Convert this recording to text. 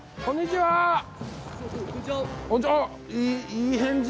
いい返事。